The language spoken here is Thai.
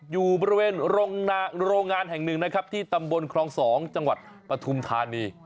อยู่บริเวณโรงงานแห่งหนึ่งนะครับที่ตำบลครอง๒จังหวัดปฐุมธานี